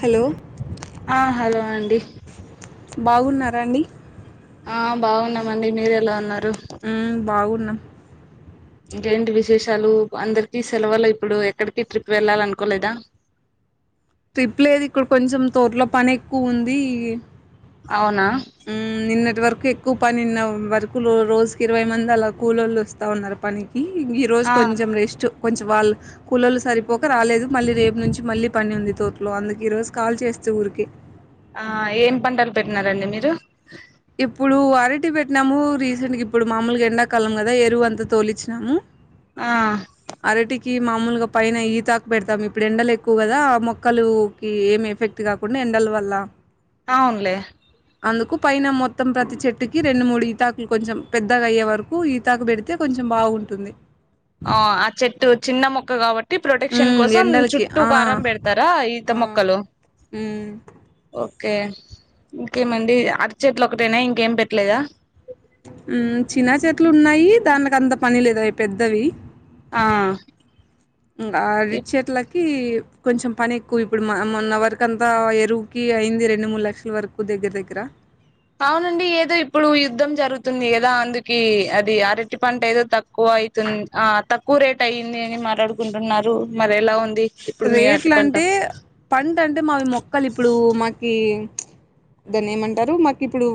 Hello ఆహ్ hello అండి బాగున్నార అండి ఆహ్ బాగున్నామండి మీరు ఎలా ఉన్నారు హామ్ బాగున్నాం ఇంకేంటి విశేషాలు అందరికి సెలవులు ఇప్పుడు ఎక్కడికి ట్రిప్ వెళ్ళాల అనుకోలేదా ట్రిప్ లేదు ఇక్కడ కొంచెం తోటలో పని ఎక్కువ ఉంది అవునా ఉమ్ నిన్నటి వరకు ఎక్కువ పనిన్న వరకు రోజుకి ఇరవై మంది అలా కూలోళ్లు వస్త ఉన్నారు పని ఈ ఈరోజు ఆ కొంచెం రెస్ట్. కొంచెం వాళ్ళు కులోళ్లు సరిపోక రాలేదు మళ్ళీ రేపు నుంచి మళ్ళీ పని ఉంది తోటలో అందుకే ఈరోజు కాల్ చేస్తే ఊరికే. ఆ ఏం పంటలు పెట్టినారండి మీరు ఇప్పుడు అరటి పెట్టినాము రీసెంట్గా ఇప్పుడు మామూలుగా ఎండకాలం కదా ఎరువు అంతా తోలిచ్చినాము. ఆహ్ కి మామూలుగా పైన ఈతాకు పెడతాం ఇప్పుడు ఎండలు ఎక్కువ కదా ఆహ్ మొక్కలుకి ఏం ఎఫెక్ట్ కాకుండా ఎండల్ వల్ల. అవునులే అందుకు పైన మొత్తం ప్రతి చెట్టుకి రెండు మూడు ఈతాకులు కొంచెం పెద్దగా అయ్యే వరకు ఈతాకు పెడితే కొంచెం బాగుంటుంది. ఆ ఆ చెట్టు చిన్న మొక్క ఒక కావట్టి టి ప్రొటెక్షన్ ఉమ్ కోసం ఎండలకి చుట్టూ ఆ కారం పెడతారా ఈత ఆ మొక్కలుే ఉమ్ ఓకే ఇంకేమండి అరచట్లు ఒకటైనా ఇంకేం పెట్టలేదా హమ్ చిన్నా చెట్లు ఉన్నాయి దానిక అంత పని లేదు అవి పెద్దవి ఆ ఇంకా రి ఇప్ చెట్లకి కొంచెం పని ఎక్కువ ఇప్పుడు మొన్న వరకు అంతా ఎరువుకి అయింది రెండు మూడు లక్షల వరకు దగ్గర దగ్గర అవునండి ఏదో ఇప్పుడు యుద్ధం జరుగుతుంది కదా అందుకి అది అరటి పంట ఏదో తక్కువ అవుతుంది ఆ తక్కువ రేట్ అయ్యింది అని మాట్లాడుకుంటున్నారు మరేలా ఉంది ఇప్పుడు మీ అరటి రేట్లు పంట అంటే పంట అంటే మావి మొక్కలు ఇప్పుడు మాకి దాన్ని ఏమంటారు మాకు ఇప్పుడు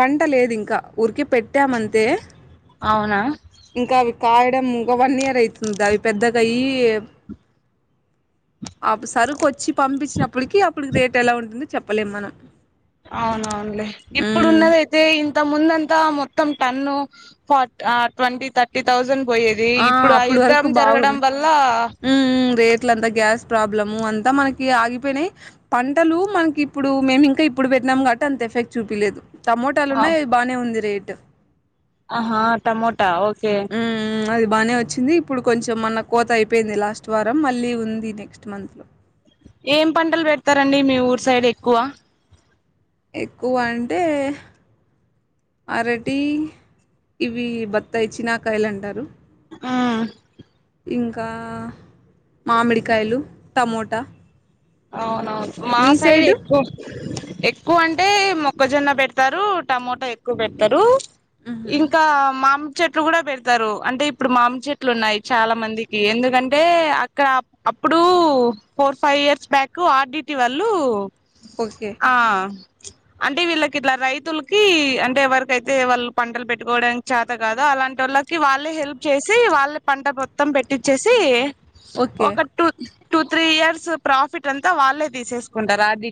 పంట లేదు ఇంకా ఊరికిే పెట్టామంతే అవునా ఇంకా అవి కాయడం ఒక వన్ ఇయర్ అవుతుంది అవి పెద్దగయ్యి సరుకు వచ్చి పంపించినప్పటికి అప్పటికి రేట్ ఎలా ఉంటుందో చెప్పలేము మనం అవునవునులే ఉమ్ ఇప్పుడున్నదైతే ఇంత ముందుంత మొత్తం టెన్ ఫ ట్వంటీ థర్టీ థౌసండ్ ఆ అప్పుడు వరకు బాగుంది వల్ల రేట్లంతా గ్యాస్ ప్రాబ్లము అంతా మనకి ఆగిపోయినాయి పంటలు మనకి ఇప్పుడు మేము ఇంకా ఇప్పుడు పెట్టినాము కాబట్టి అంత ఎఫెక్ట్ చూపలేదు టమోటాలు ఆ ఉన్నాది బానే ఉంది రేట్ అట్ ఆహా టమోటా ట్టా ఓకే హ్మ్. అది బాగానే వచ్చింది ఇప్పుడు కొంచెం మన కోత అయిపోయింది లాస్ట్ వారం మళ్ళీ ఉంది నెక్స్ట్ మంత్ లో ఏం పంటలు పెడతారండి మీ ఊరు సైడ్ ఎక్కువ ఎక్కువ అంటే అరటి ఇవి బత్తాయి చినాకాయలు అంటారు ఆ ఇంకా మామిడికాయలు టమోటా అ మా మీ సైడ్ సైడు? ఎక్కువ ఎక్కువ అంటే మొక్కజొన్న పెడతారు టమోటా ఎక్కువ పెడతారు ఇంకా మాం చెట్లు కూడా పెడతారు అంటే ఇప్పుడు మామి చెట్లు ఉన్నాయి చాలా మందికి ఎందుకంటే అక్కడ అప్పుడు ఫోర్ ఫైవ్ ఇయర్స్ బ్యాకు ఆర్డిటీ వాళ్ళు ఓకే. ఆ అంటే వీళ్ళకి ఇట్లా రైతులకి అంటే ఎవరికైతే వాళ్ళు పంటలు పెట్టుకోవడానికి చాత కాదు అలాంటి వాళ్ళకి వాళ్ళే హెల్ప్ చేసి వాళ్ళ పంట మొత్తం పెట్టిచ్చేసి ఓకే. ఒక టటు టూ త్రీ ఇయర్స్ ప్రాఫిట్ అంతా వాళ్ళే తీసేసుకుంటారు అది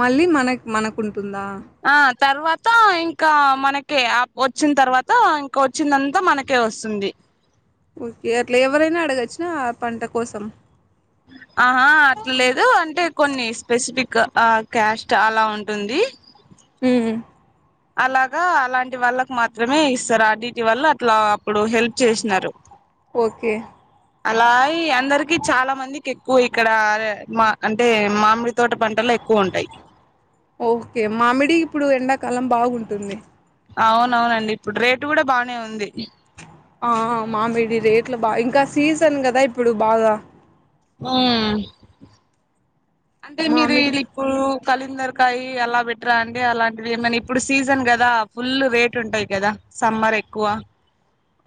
మళ్ళీ మన మనకుంటుందా ఆ తర్వాత ఇంకా మనకే ఆ వచ్చిన తర్వాత ఇంకొచ్చిందంతా మనకే వస్తుంది ఓకే అట్లా ఎవరైనా అడగొచ్చినా ఆ పంట కోసం ఆహా అట్లేదు అంటే కొన్ని స్పెసిఫిక్ ఆ క్యాస్ట్ అలా ఉంటుంది మ్మ్ హు అలాగా అలాంటి వాళ్ళకు మాత్రమే ఇస్తారు ఆర్ డీటి వాళ్ళు అట్లా అప్పుడు హెల్ప్ చేసినారు ఓకే అలా [unintelligible] అందరికి చాలా మందికి క్కు ఇక్కడ మా అంటే మామిృతి ఓకే మామిడి ఇప్పుడు ఎండాకాలం బాగుంటుంది అవునవునండి ఇప్పుడు రేటు కూడా బానే ఉంది ఆ మామిడి రేట్లు బాగా ఇంకా సీజన్ కదా ఇప్పుడు బాగా ఆ అంటే మీరు మామిడి ఇలా ఇప్పుడు కలుందర్ కాయి అలా బెట్రా అండి అలాంటివి ఏమనా ఇప్పుడు సీజన్ కదా ఫుల్ రేట్ ఉంటాయి కదా సమ్మర్ ఎక్కువ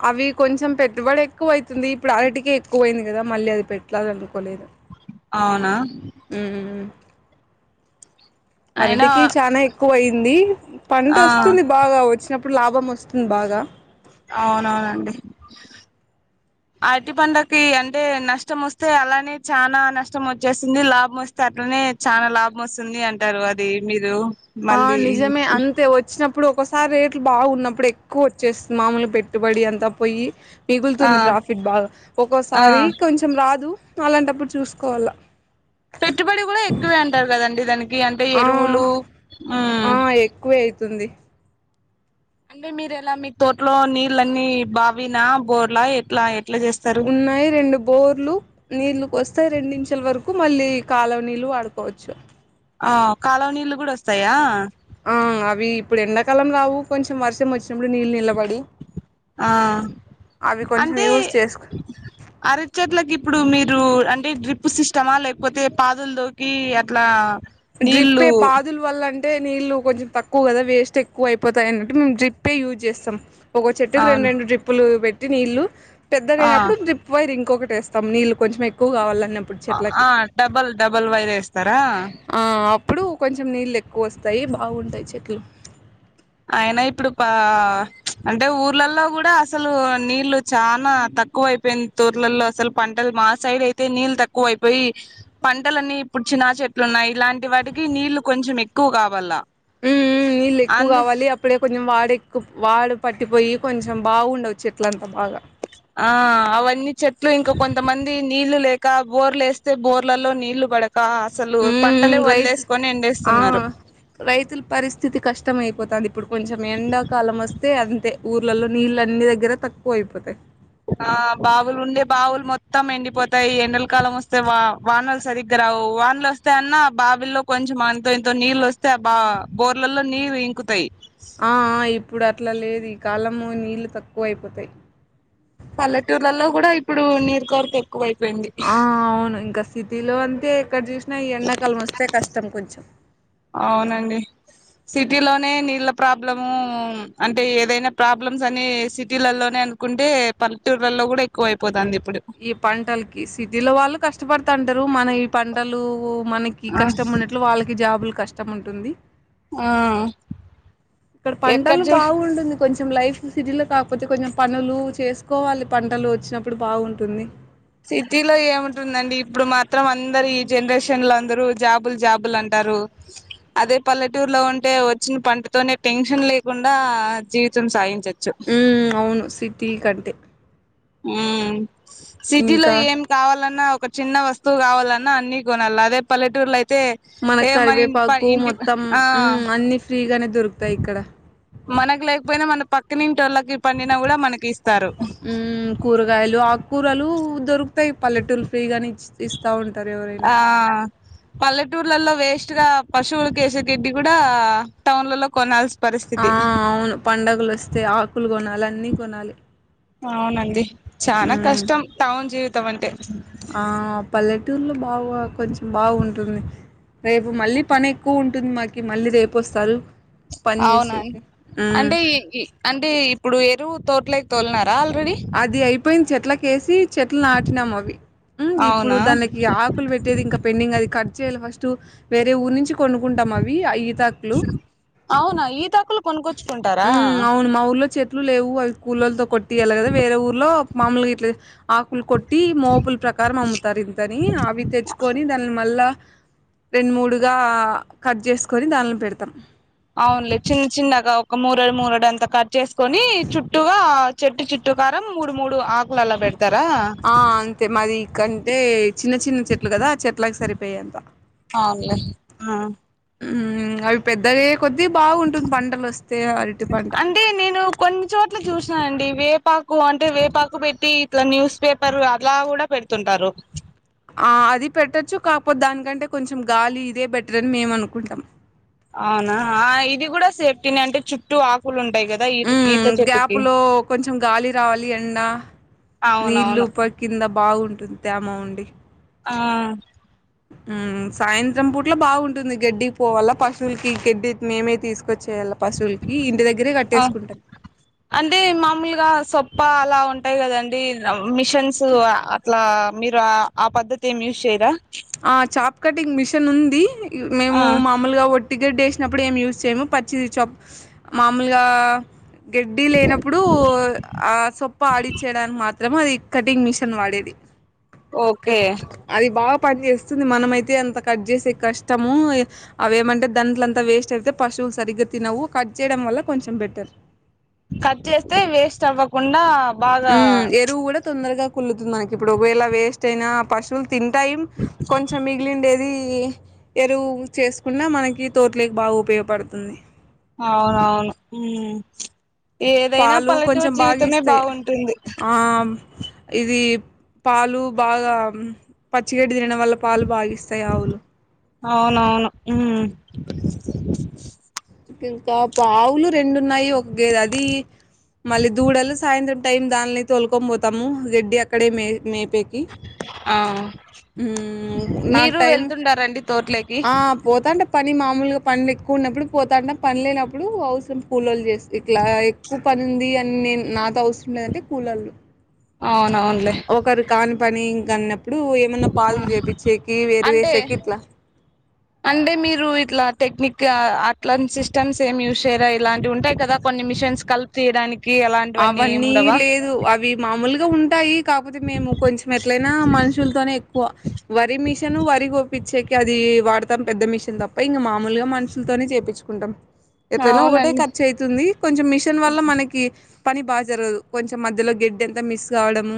అవి కొంచెం పెట్టుబడు ఎక్కువ అవుతుంది ఇప్పుడు అరటికే ఎక్కువ అయింది కదా మళ్ళీ అది పెట్టాల అనుకోలేదు అవునా ఉమ్ అయినా అరటికి చనా ఎక్కువ అయింది పంట ఆ వస్తుంది బాగా వచ్చిన ఇప్పుడు లాభం వస్తుంది బాగా అవునవునండి అరటి పండకి అంటే నష్టం వస్తే అలానే చానా నష్టం వచ్చేస్తుంది లాభం వస్తే అట్లనే చనా లాభం వస్తుంది అంటారు అది మీరు ఆ మళ్ళీ నిజమే అంతే వచ్చిన ఇప్పుడు ఒకసారి రేట్లు బాగున్నప్పుడు ఎక్కువ వచ్చేస్తుంది మామూలు పెట్టుబడి అంతా పోయి ఆ మిగులుతుంది ప్రాఫిట్ బాగా ఆ ఒక్కోసారి కొంచెం రాదు అలాంటప్పుడు చూసుకోవల్ల పెట్టుబడి కూడా ఎక్కువే అంటారు కదండి దానికి గీయి అంటే ఆ ఎరువులు ఆ ఉంది అంటే మీరు ఎలా మీ తోటలో నీళ్లన్నీ బావిన బోర్లా ఎట్లా ఎ ఉన్నాయి రెండు బోర్లు నీళ్లుక వస్తా వస్తే రెండు నిమిషాలు వరకు మళ్ళీ కాలనీలు వాడుకోవచ్చు ఆ కాలవ నీళ్ళ కూడా వస్తాయా ఆ అవి ఇప్పుడు ఎండాకాలం రావు కొంచెం వర్షం వచ్చి ఆ అవి కొంచెం అంటే యూస్ చేసుకో అరచట్లలకు ఇప్పుడు మీరు అంటే డ్రిప్ ఉప్పు సిష్టమా లేకపోతే పాదుల్ తోకి అట్లా డ్రిప్పే నీళ్ళు పాదుల వల్లం అంటే నీళ్ళు కొంచం తక్కువ కద వేస్ట్ ఎక్కువ అయిపోతాయి అన్నట్టు మేము డ్రిప్పె యూజ్ చేస్తాం ఒక చెట్టుకి రెం అవును రెండు డ్రిప్పులు పెట్టి నీళ్లు పెద్దగా అయినప్పుడు డ్రిప్ వైర్ ఇంక్ ఇంకొకటేస్తా [inaudible] ఆ [inaudible] ఆ డబల్ డబల్ వైర్ వేస్తారా ఆ ఆ అప్పుడు [inaudible] కొంచెం నీళ్ళు ఎక్కువ వస్తాయి, బాగుంటాయి చెట్లు. అయినా ఇప్పుడు పా అంటే, ఊర్లలో కూడా అసలు నీళ్లు చాలా తక్కువ తక్కువైపోయింది. తోర్లలో అసలు పంటలు, మా సైడ్ అయితే నీళ్ళు తక్కువ అయిపోయి పంటలన్నీ ఇప్పుడు చినా చెట్లు ఉన్నాయి. ఇలాంటి వాటికి నీళ్లు కొంచెం ఎక్కువ కావాల. ఉ ఉ నీళ్ళు ఎక్కువ అందు కావాలి. ఇప్పుడే కొంచం వాడు ఎక్కు వాడు పట్టిపోయి కొంచెం బాగుండవు. చెట్లంతా బాగా ఆ అవన్నీ చెట్లు ఇంకా, కొంతమంది నీళ్లు లేక, బోర్లు వేస్తే బోర్లలో నీళ్లు పడక అసలు హ పంటలే రైతు వదిలేసుకొని ఆ ఎండేస్తున్నారు రైతుల పరిస్థితి కష్టం అయిపోతుంది. ఇప్పుడు కొంచెం ఎండాకాలం వస్తే అంతే ఊర్లలో నీళ్ళ అన్ని దగ్గర తక్కువ అయిపోతాయి ఆ బావులు ఉండే బావులు మొత్తం ఎండిపోతాయి ఎండల కాలం వస్తే వా వానలు సరిగ్గా రావు వానలు వస్తే అన్నా బావిల్లో కొంచెం అంత ఇంతో నీళ్లు వస్తే ఆ బా బోర్లలో నీళ్లు ఇంకుతాయి ఆ ఆ ఇప్పుడు అట్లా లేదు ఈ కాలము నీళ్ళు తక్కువ అయిపోతాయి పల్లెటూర్లలో కూడా ఇప్పుడు నీటి కొరత ఎక్కువైపోయింది ఆ అవును ఇంకా సిటీలో అంటే ఎక్కడ చూసి నా ఎండాకాలం వస్తే కష్టం కొంచెం అవునండి సిటీలోనే నీళ్ళ ప్రాబ్లము అంటే ఏదైనా ప్రాబ్లమ్స్ అన్ని సిటీలల్లోనే అనుకుంటే పల్లెటూర్లలో కూడా ఎక్కువ అయిపోతాంది ఈ పంటలకి సిటీలో వాళ్ళు కష్టపడుత తంటరు మన ఈ పంటలు మనకి ఆ కష్టం ఉన్నట్లు వాళ్ళకి జాబులు కష్టం ఉంటుంది ఆ ఇక్కడ ఎక్కడ పంటలు చూడు బాగుంటుంది కొంచెం లైఫ్ సిటీలో కాకపోతే కొంచెం పనులు చేసుకోవాలి పంటలు వచ్చినప్పుడు బాగుంటుంది సిటీలో ఏముంటుందండి ఇప్పుడు మాత్రం అందరు ఈ జనరేషన్ లో అందరు జాబులు జాబులు అంటారు అదే పల్లెటూరులో ఉంటే వచ్చిన పంటతోనే టెన్షన్ లేకుండా జీవితం సాగించచ్చు ఉ అవును సిటీ కంటే ఉ సిటీ లో ఇంకా ఏం కావాలన్నా ఒక చిన్న వస్తువు కావాలన్నా అన్ని కొనాలి అదే పల్లెటూరులో అయితే మన ఏ ఇ కరివేపాకు ఇంటి మొత్తం ఆ ఉ అన్ని ఫ్రీగానే దొరుకుతాయి ఇక్కడ మనకి లేకపోయినా మన పక్ నింటోళ్ల పండిన కూడా మనకి ఇస్తారు కూరలు దొరుకుతాయి పల్లెటూలు ఫ్రీ గానే ఇస్తా ఉ ఆ పల్లెటూర్లలో వేస్ట్ గా పశువులు కేసే తిండి కూడా టౌన్ లో కొనాల్సింది ఆ అవును పండగలోస్తే ఆకులు కొనాలి అన్నీ కొనాలి అవునండి చానా ఉమ్ కష్టం టౌన్ జీవిత తవ్వంటే ఆ పల్లెటూర్లో బావు కొంచెం బాగుంటుంది రేపు మళ్ళీ పని ఎక్కువ ఉం పుట్టుందిమాకి మళ్ళీ రేపొస్తారు అవునాం అంటే అంటే ఇప్పుడు ఎరువు తోట్లేకి తోల్నారు అది అయిపోయింది చెట్లకేసి చెట్లు నాటినాము అవి ఇప్పుడు అవునా దానికి ఆకులు పెట్టేది ఇంకా పెండింగ్ అది ఖర్చ చేయాలి ఫస్ట్ వేరే ఊరు నుంచి కొనుక్కుంటాం అవి అయి [inaudible] అవునా ఈతాకులు కొన్కు మ్ అవును మా ఊర్లో చే లు లేవు అవి కూలోలుతో కొట్టియాలి కదా వేరే ఊరిలో మామూలుగా కొట్టియ్యల్ల కదా వేరే ఊర్లో మాములుగా ఇట్లా ఆకులు కొట్టి మోపుల ప్రకారం అమ్ముతారు ఇంతని అవి తెచ్చుకొని దాని మళ్ళా రెండు మూడుగా కట్ చేసుకొని దానిలో పెడతాం మూరడు మూరడు అంతా కట్ చేసుకొని చుట్టుగా చెట్టు చుట్టుకారం మూడు మూడు ఆకులలా పెడుతుంది ఆ అంతే మాది కంటే చిన్న చిన్న చెట్లు కదా చెట్లకి సరిపోయే అంత అవునులే ఆ హమ్ అవి పెద్దగయ్యేకొద్ది ఇది బాగుంటుంది పంటలు వస్తే అరటి పంట అంటే నేను కొన్ని చోట్ల చూసినానండి వేపాకు అంటే వేపాకు పెట్టి ఇట్లా న్యూస్ పేపర్ అలా కూడా పెడుతుంటారు ఆ అది పెట్టొచ్చు కాకపోతే దానికంటే కొంచెం గాలి ఇదే బెటర్ అని మేము అనుకుంటాం అవునా ఇది కూడా సేఫ్ తిని అంటే చుట్టూ ఆకులు ఉం మ్ గ్యాప్ లో కొంచెం గాలి రావాలి ఎండ నీళ్లు అవునవును ప కింద బాగుంటుంది తేమ ఉండి ఆ హ్మ్ సాయంత్రం పూట్ల బాగుంటుంది గడ్డికి పోవల్ల పశువులకి గడ్డి మేమే తీసుకొచ్చ ఆ అంటే మామూలుగా సొప్ప అలా ఉంట్ టయ్ కదండి మిషన్స్ అట్లా మీరు ఆ పద్ధతి ఏమి యూజ్ చేయరా ఆ చాప్ కటింగ్ మిషన్ ఉంది ఇవ్ ఆ మేము మామూలుగా ఒట్ టిగెట్ వేసినప్పుడు ఏం యూస్ చేయము పచ్చిది చాప్ మామూలుగా గడ్డి లేనప్పుడు ఆ సొప్ప ఆడిచ్చయడానికి మాత్ త్రము అది కటింగ్ మిషన్ వాడేది ఓకే అది బాగా పని చేేస్తుంది మనమ అయితే అంత కట్ చేసేకి కష్టము అవేమంటే దాంట్లంత వేస్ట్ అయితే పశువులు సరిగ్గా తినవు కట్ చేయడం వల్ల కొంచెం బెటర్ కట్ చేస్తే వేస్ట్ అవ్వకుండా ఉ బాగా ఎరువు కూడా తొందరగా కుల్లుతుంది మనకి ఇప్పుడు ఒకవేళ వేస్ట్ అయినా పశుల తింటాయి కొంచెం మిగిలిండేది ఎరువు చేసుకున్నా మనకి తోట్ లేకి బాగా ఉపయోగపడుతుంది అవునవును హ్మ్ ఏదైనా పాలు కొంచెం పల్లెటూరి బాగా జీవితమే ఇస్తాయి బాగుంటుంది ఆ ఇది పాలు బాగా పచ్చి గడ్డి తినడం వల్ల పాలు బాగా ఇస్తాయి ఆవులు అవునవును హుం ఇంకా పావులు రెండున్నాయి ఒక గేద అది మళ్ళీ దూడలు సాయంత్రం టైం దాన్లీ తొలుకొని పోతాము గడ్డి అక్కడే మే మేపేకి ఆ నాకు మీరు టైమ్ వెళ్తుంటారండి తోట్లోకి ఆ పోతాంటే పని మామూలుగా పనులు ఎక్కువ ఉన్నప్పుడు పోతాంట పని లేనప్పుడు అవసున్ పూల్లోల్లు చేస్త్ ఇట్ల ఏకు పనింది అని నేను నాతో అవసరండేదంటే కుళ్ళోల్ అ ఒకరు కాని పని గన్నప్ ఇప్పుడు ఏమన్నా ఆ పాల్ చేయిచ్చేకి వేరు అంటే వేసాకి ఇట్లా అంటే మీరు ఇట్లా టెక్నిక్ అట్లా సిస్టమ్స్ ఏం యూస్ చేయరా ఇలాంటివి ఉంటాయి కదా కొన్ని మిషన్స్ కల్ప్ తీయడానిక్ అవన్నీ లేదు అవి మామూలుగా ఉం ఈ కాకపోతే మేము కొంచెం ఎట్లైనా మనుషులతోనే వ వరి మిషను వరి కొపిచ్చేకి ఇగ అది వాడతాం పెద్ద మిషన్ తప్ప ఇంకా మామూలుగా మనుషులతోనే చేయిపించుకుంటాం ఎట్లయినా ఒకటే అవునండి ఖర్చు అవుతుంది కొంచెం మిషన్ వల్ల మనకి పని బాగా జరగదు కొంచెం మధ్యలో గెడ్డి ఎంతా మిస్ కావడము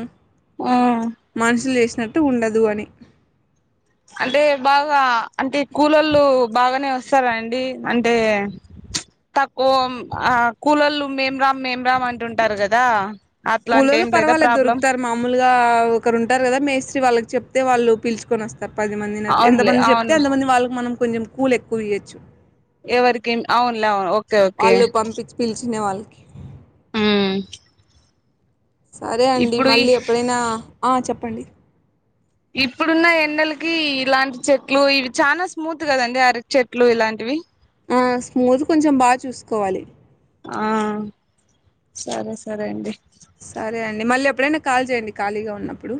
ఆ మనుసులిస్ట్ వినట్టు ఉండదు అని అంటే బాగా అంటే కులోలు బాగానే వస్తారా అండి అంటే తక్కువ ఆ కూలోలు మేం రామ్ మేమ్రామ్ అంటుంటారు కదా అట్లాంటి కూలోలు ఏం లేదా పర్వాలేదు ప్రాబ్లం దొరుకుతారు మామూలుగా ఒకరు ఉంటారు కదా మేస్త్రి వాళ్ళకి చెప్తే వాళ్ళు పిలుచుకొని వస్తారు సార్ పది మందిట్లు ఎంత అవునులే మంది చెప్తే అవునులే అంత మంది వాళ్ళకి మనం కొంచెం కుళ్లు ఎక్కువయచ్చు ఎవరికి అవునులే అవును ఓకే ఓకే వాళ్ళు పంపిచి పిలిచి చెనేవాలకి ఉ సరే అండి మళ్ళీ ఎప్పుడైనా ఆ చెప్ప పండి ఇప్పుడున్న ఎండలకి ఇలాంటి చెట్లు ఇవి చాలా స్మూత్ కదండి అరటీ చెట్లు ఇలాంటివి ఆ స్మూత్ కొంచెం బాగా చూసుకోవాలి ఆ సరే సరే అండి సరే అండి మళ్ళీ ఎప్పుడైనా కాల్ చేయండి ఖాళీగా ఉన్నప్పుడు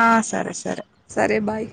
ఆ సరే సరే సరే బాయ్